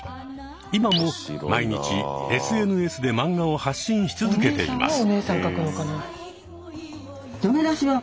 今も毎日ＳＮＳでマンガを発信し続けています。